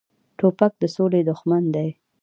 توپک د سولې دښمن دی.